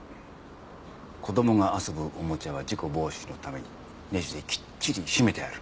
子供が遊ぶおもちゃは事故防止のためにネジできっちり締めてある。